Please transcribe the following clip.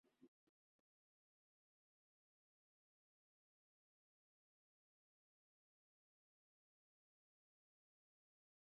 চাণক্য আর রাজেন্দ্র দুজনেরই পরিচালনা চলচ্চিত্র-সমালোচকদের দ্বারা ইতিবাচক সাড়া পেয়েছিলো।